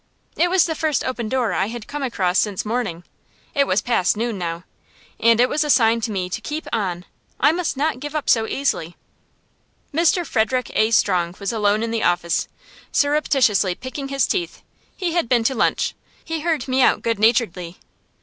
It was the first open door I had come across since morning it was past noon now and it was a sign to me to keep on. I must not give up so easily. Mr. Frederick A. Strong was alone in the office, surreptitiously picking his teeth. He had been to lunch. He heard me out good naturedly.